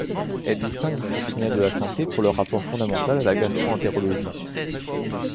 Elle distingue des professionnels de la santé pour leur apport fondamental à la gastro-entérologie.